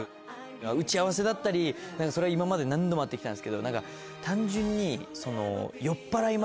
打ち合わせだったりそれは今まで何度も会って来たんですけど単純にその。